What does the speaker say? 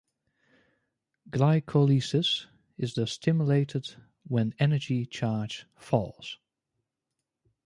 Glycolysis is thus stimulated when energy charge falls.